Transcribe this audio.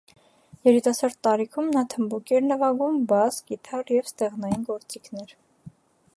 Երիտասարդ տարիքում նա թմբուկ էր նվագում, բաս, կիթառ և ստեղնային գործիքներ։